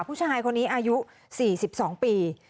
ผู้ชายคนนี้อายุ๔๒ปี